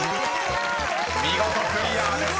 ［見事クリアです。